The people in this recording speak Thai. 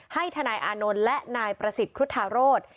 ทนายอานนท์และนายประสิทธิ์ครุฑาโรธ